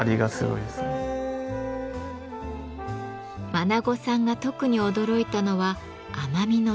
眞砂さんが特に驚いたのは甘みの強さ。